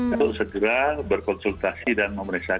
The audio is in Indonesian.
untuk segera berkonsultasi dan memeriksa